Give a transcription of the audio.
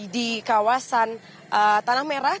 di kawasan tanah merah